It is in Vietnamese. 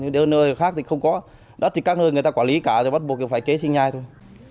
nếu nơi khác thì không có đất thì các nơi người ta quản lý cả rồi bắt buộc phải kế sinh nhai thôi